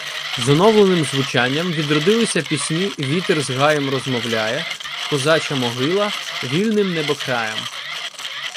З оновленим звучанням відродилися пісні «Вітер з гаєм розмовляє», «Козача могила», «Вільним небокраєм»...